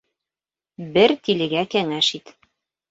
Бер тилегә кәңәш ит.